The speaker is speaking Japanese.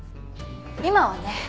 今はね。